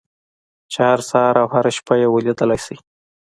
چې هر سهار او هره شپه يې وليدلای شئ.